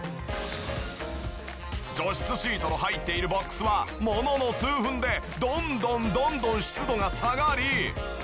除湿シートの入っているボックスはものの数分でどんどんどんどん湿度が下がり。